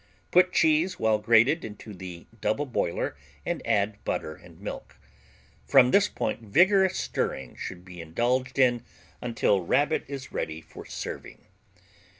Put cheese, well grated, into the double boiler and add butter and milk. From this point vigorous stirring should be indulged in until Rabbit is ready for serving.